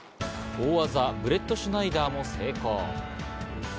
大技・ブレットシュナイダーも成功。